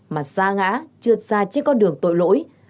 mà xa ngã trượt xa trên con đường tội lỗi